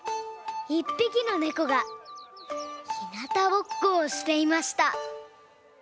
１ぴきのねこがひなたぼっこをしていました。